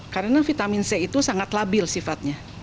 karena vitamin c itu sangat labil sifatnya